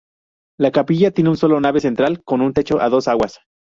La capilla tiene solo una nave central con un techo a dos aguas.